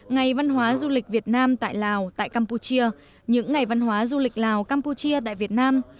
ngày văn hóa du lịch việt nam tại lào tại campuchia những ngày văn hóa du lịch lào campuchia tại việt nam